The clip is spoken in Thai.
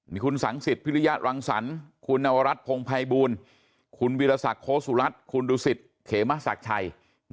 มีคุณสังศิษฐ์พิริญญาตรังสรรคุณนวรัฐพงภัยบูรณ์คุณวิรสัครโศรัตน์คุณดุศิษฐ์เขมะศักดิ์ไทย